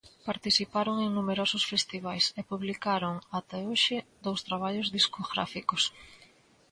Participaron en numerosos festivais e publicaron até hoxe dous traballos discográficos.